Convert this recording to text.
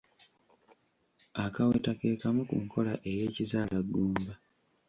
Akaweta ke kamu ku nkola ey'ekizaalagumba.